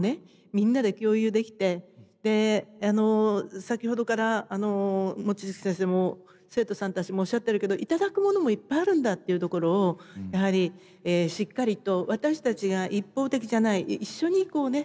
みんなで共有できてで先ほどから望月先生も生徒さんたちもおっしゃってるけど頂くものもいっぱいあるんだっていうところをやはりしっかりと私たちが一方的じゃない一緒にこうね